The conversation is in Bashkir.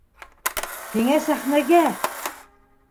Һиңә сәхнәгә!